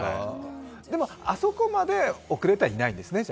あそこまで遅れてはいないんですね？